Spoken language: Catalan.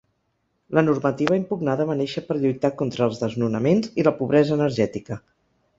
La normativa impugnada va néixer per lluitar contra els desnonaments i la pobresa energètica.